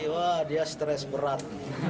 wah dia stres berat